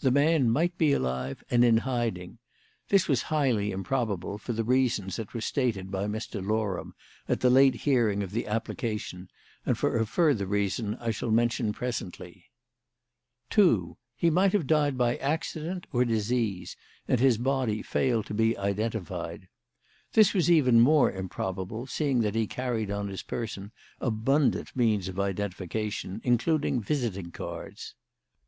The man might be alive and in hiding. This was highly improbable, for the reasons that were stated by Mr. Loram at the late hearing of the application, and for a further reason that I shall mention presently. "2. He might have died by accident or disease, and his body failed to be identified. This was even more improbable, seeing that he carried on his person abundant means of identification, including visiting cards.